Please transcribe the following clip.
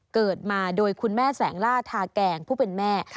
เกิดมาโดยคุณแม่แสงล่าทาแกงผู้เป็นแม่